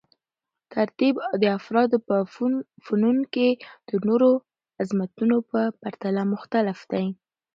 ترتیب د افرادو په فنون کې د نورو عظمتونو په پرتله مختلف دی.